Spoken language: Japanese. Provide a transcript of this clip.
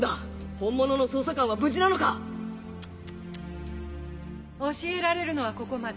本物の捜査官は無事なのか⁉チッチッチッ教えられるのはここまで。